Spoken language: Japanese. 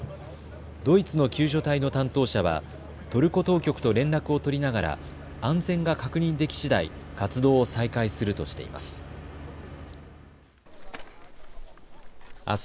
ドイツの救助隊の担当者はトルコ当局と連絡を取りながら安全が確認できしだい活動を再開するとしています。